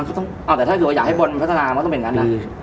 มันก็ต้องอ้าวแต่ถ้าอยากให้บนพัฒนามันก็ต้องเป็นงั้นนะ